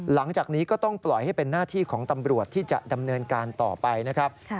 หลังจากนี้ก็ต้องปล่อยให้เป็นหน้าที่ของตำรวจที่จะดำเนินการต่อไปนะครับ